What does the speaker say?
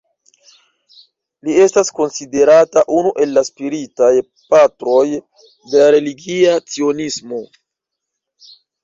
Li estas konsiderata unu el la spiritaj patroj de la religia cionismo.